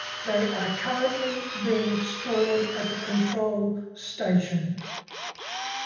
They are currently being stored at the control station.